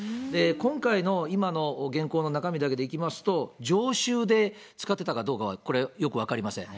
今回の今のげんこうの中身だけでいきますと、常習で使ってたかどうかはこれ、よく分かりません。